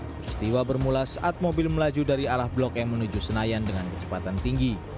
peristiwa bermula saat mobil melaju dari arah blok m menuju senayan dengan kecepatan tinggi